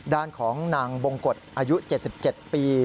ด้านของนางบงกฎอายุ๗๗ปี